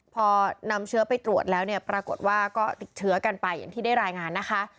พอนำเชื้อไปตรวจแล้วเนี่ยปรากฏว่าก็ติดเชื้อกันไปอย่างที่ได้รายงานนะคะ